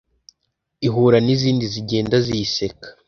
ihura n'izindi zigenda ziyiseka